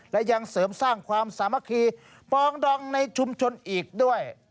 และยังเสริมสร้างความสามัคคีปองดองในชุมชนอีกด้วย